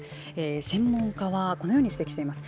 専門家はこのように指摘しています。